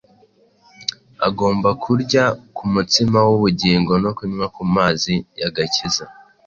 agomba kurya ku mutsima w’ubugingo no kunywa ku mazi y’agakiza.